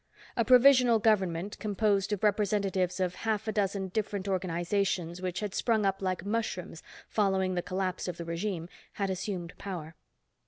A provisional government, composed of representatives of half a dozen different organizations which had sprung up like mushrooms following the collapse of the regime, had assumed power.